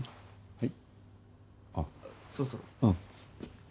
はい。